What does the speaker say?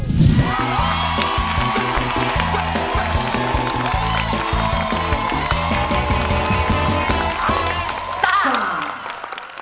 สตาร์